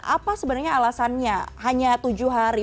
apa sebenarnya alasannya hanya tujuh hari